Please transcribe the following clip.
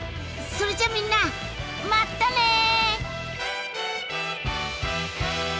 それじゃみんなまたね！